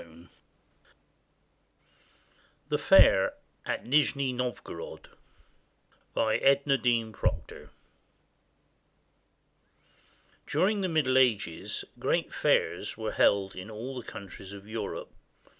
247 THE FAIR OF NIJNI NOVGOROD BY EDNA DEAN PROCTOR [During the Middle Ages, great fairs were held in all the countries of Europe.